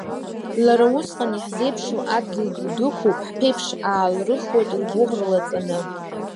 Лара усҟан, иаҳзеиԥшу адгьыл ду дықәуп, ҳԥеиԥш аалрыхуеит лгәыӷра лаҵаны.